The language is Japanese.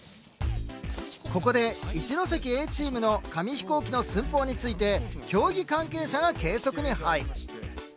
ここで一関Ａチームの紙飛行機の寸法について競技関係者が計測に入る。